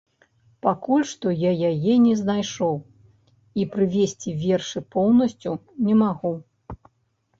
Пакуль што я яе не знайшоў і прывесці вершы поўнасцю не магу.